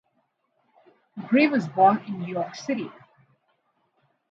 Gray was born in New York City.